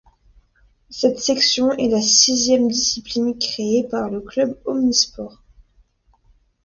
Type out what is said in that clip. Cette section est la sixième discipline créée par le club omnisports.